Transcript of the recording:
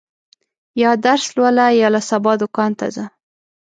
یا درس لوله، یا له سبا دوکان ته ځه.